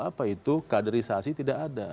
apa itu kaderisasi tidak ada